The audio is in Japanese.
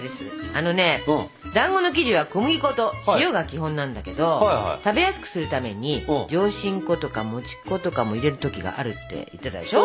あのねだんごの生地は小麦粉と塩が基本なんだけど食べやすくするために上新粉とかもち粉とかも入れる時があるって言ってたでしょ？